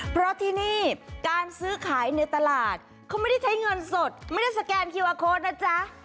เพราะที่นี่การซื้อขายในตลาดเขาไม่ได้ใช้เงินสดไม่ได้สแกนคิวอาร์โค้ดนะจ๊ะ